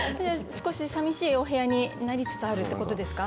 少しさみしいお部屋になりつつあるってことですか？